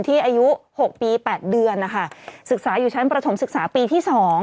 อายุ๖ปี๘เดือนนะคะศึกษาอยู่ชั้นประถมศึกษาปีที่๒